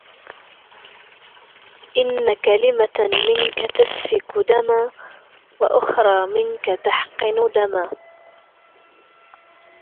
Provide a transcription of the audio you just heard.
إنَّ كَلِمَةً مِنْك تَسْفِكُ دَمًا وَأُخْرَى مِنْك تَحْقِنُ دَمًا